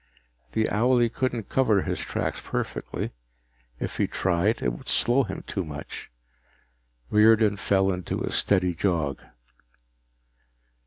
The owlie couldn't cover his tracks perfectly if he tried, it would slow him too much. Riordan fell into a steady jog.